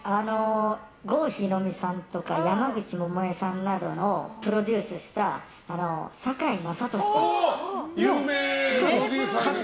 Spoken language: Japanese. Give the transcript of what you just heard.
郷ひろみさんとか山口百恵さんなどをプロデュースした有名！